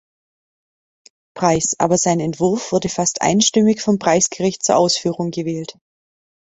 Preis, aber sein Entwurf wurde fast einstimmig vom Preisgericht zur Ausführung gewählt.